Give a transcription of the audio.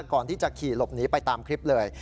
ก่อนที่จะขี่หลบหนีไปตามคลิปเลย